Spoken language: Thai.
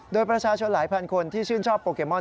โดยประชาชนหลายพันคนที่ชื่นชอบโปเกมอน